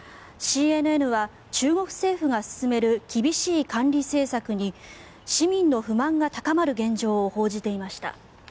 ＣＮＮは中国政府が進める厳しい管理政策に市民の不満が高まる現状を報じていました。